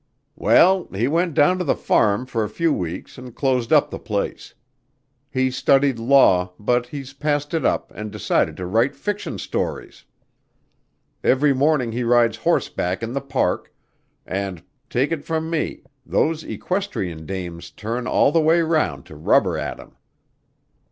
"Well, he went down to the farm for a few weeks and closed up the place. He studied law, but he's passed it up and decided to write fiction stories. Every morning he rides horseback in the park, and, take it from me, those equestrian dames turn all the way round to rubber at him."